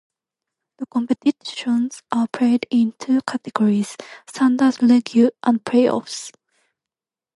The competitions are played in two categories: Standard league and playoffs.